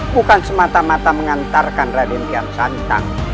bukan semata mata mengantarkan raden tian santang